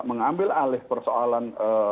mengambil alih persoalan lima puluh